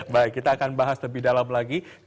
baik kita akan bahas lebih dalam lagi